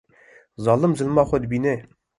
Zalim zilma xwe dibîne